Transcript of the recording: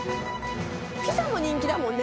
ピザも人気だもんね。